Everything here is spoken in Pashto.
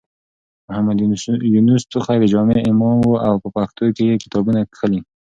محمد يونس توخى د جامع امام و او په پښتو کې يې کتابونه کښلي.